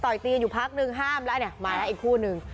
ต่อยตีอยู่พักห้ามแล้วอันนี้มีอีกคู่หนึ่ง